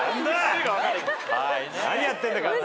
何やってんだ神田。